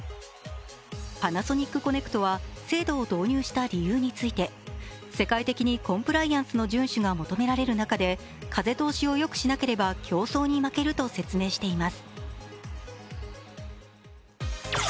パナソニックコネクトは制度を導入した理由について世界的にコンプライアンスの順守が求められる中で風通しをよくしなければ競争に負けると説明しています。